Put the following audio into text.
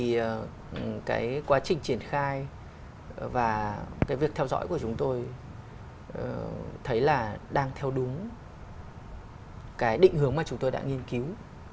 thì cái quá trình triển khai và cái việc theo dõi của chúng tôi thấy là đang theo đúng cái định hướng mà chúng tôi đã nghiên cứu